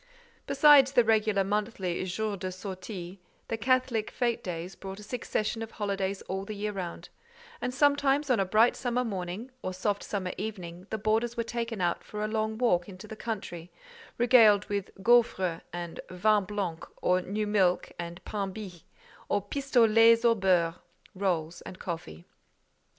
Besides the regular monthly jours de sortie, the Catholic fête days brought a succession of holidays all the year round; and sometimes on a bright summer morning, or soft summer evening; the boarders were taken out for a long walk into the country, regaled with gaufres and vin blanc, or new milk and pain bis, or pistolets au beurre (rolls) and coffee.